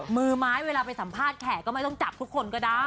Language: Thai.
มือไม้เวลาไปสัมภาษณ์แขกก็ไม่ต้องจับทุกคนก็ได้